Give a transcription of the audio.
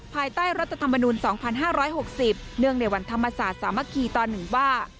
ภายใต้รัฐธรรมนุน๒๕๖๐เนื่องในวันธรรมศาสตร์สามัคคีตอน๑ว่า